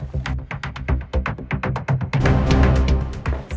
ibu menjual kamu juga